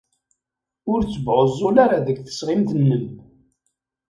Ur ttebɛuẓẓul ara deg tesɣimt-nnem.